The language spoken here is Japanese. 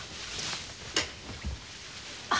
あっ。